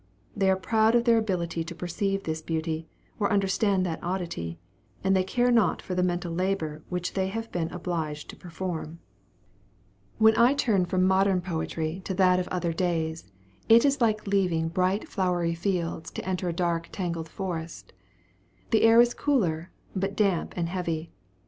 They are proud of their ability to perceive this beauty, or understand that oddity, and they care not for the mental labor which they have been obliged to perform. When I turn from modern poetry to that of other days, it is like leaving bright flowery fields to enter a dark tangled forest. The air is cooler, but damp and heavy.